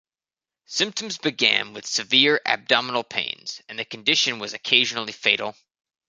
Symptoms began with severe abdominal pains and the condition was occasionally fatal.